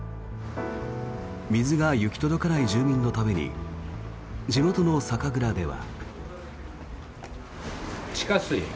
水が行き届かない住民のために地元の酒蔵では。